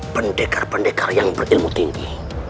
pendekar pendekar yang berilmu tinggi